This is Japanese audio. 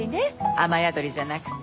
雨宿りじゃなくて。